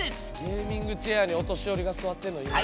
ゲーミングチェアにお年寄りが座ってるのいいな。